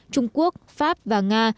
trung quốc pháp và nga